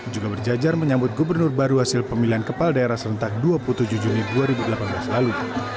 juga berjajar menyambut gubernur baru hasil pemilihan kepala daerah serentak dua puluh tujuh juni dua ribu delapan belas lalu